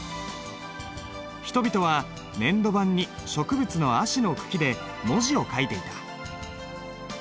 人々は粘土板に植物のアシの茎で文字を書いていた。